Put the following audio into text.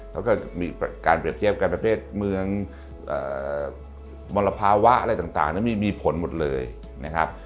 แล้วก็มีการเปรียบเทียบกันประเภทเมืองมลภาวะอะไรต่างนั้นมีผลหมดเลยนะครับ